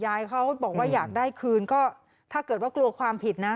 เขาบอกว่าอยากได้คืนก็ถ้าเกิดว่ากลัวความผิดนะ